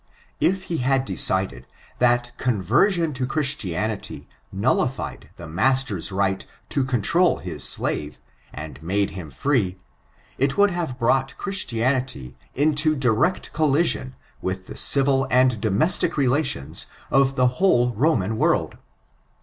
If he had decided, that conver sion to Christianity nullified the master's right to control his slave, and made him free, it would have brought Christianity into direct collision with the civil and domestic relations of the whole Roman world.